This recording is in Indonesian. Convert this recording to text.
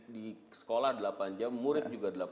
di sekolah delapan jam murid juga